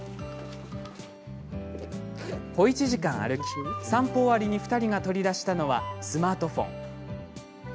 小一時間歩き、散歩終わりに２人が取り出したのはスマートフォン。